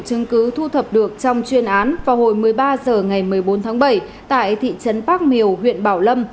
chứng cứ thu thập được trong chuyên án vào hồi một mươi ba h ngày một mươi bốn tháng bảy tại thị trấn bác miều huyện bảo lâm